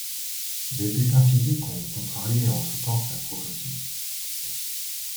Des pépins physiques ont contrarié entre-temps sa progression.